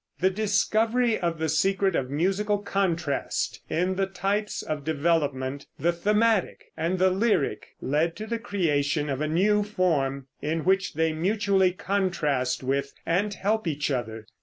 The discovery of the secret of musical contrast, in the types of development, the thematic and the lyric, led to the creation of a new form, in which they mutually contrast with and help each other.